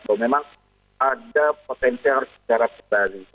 bahwa memang ada potensi harus secara berbalik